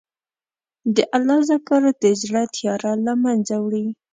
د الله ذکر د زړه تیاره له منځه وړي.